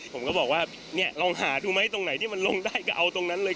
ผมก็บอกว่าเนี่ยลองหาดูไหมตรงไหนที่มันลงได้ก็เอาตรงนั้นเลย